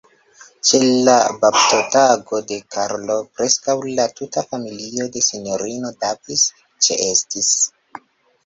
Ĉe la baptotago de Karlo, preskaŭ la tuta familio de Sinjorino Davis ĉeestis.